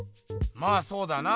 まあそうだな。